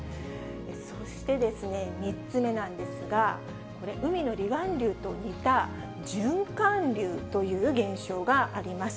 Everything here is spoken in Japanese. そして３つ目なんですが、これ、海の離岸流と似た、循環流という現象があります。